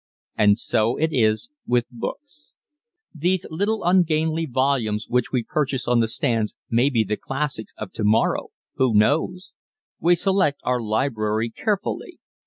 And so it is with books. These little ungainly volumes which we purchase on the stands may be the classics of tomorrow ... who knows? We select our library carefully.